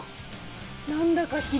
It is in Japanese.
何だか。